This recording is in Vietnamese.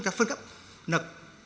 đã phân cấp nợ